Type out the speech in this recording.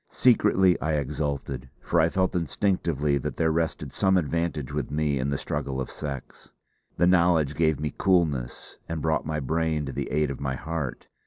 Secretly I exulted, for I felt instinctively that there rested some advantage with me in the struggle of sex. The knowledge gave me coolness, and brought my brain to the aid of my heart.